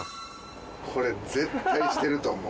これ絶対してると思う。